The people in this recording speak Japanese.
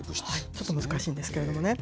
ちょっと難しいんですけれどもね。